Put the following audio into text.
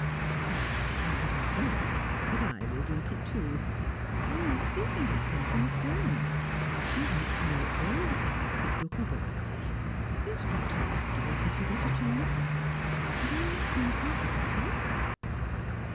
"I don't believe that, but I will drink it too I was speaking of him to Miss Derwent. She wants to know all about the Dukhobortsi. Instruct her, afterwards, if you get a chance. Do you think her altered?"